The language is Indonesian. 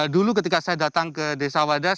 dulu ketika saya datang ke desa wadas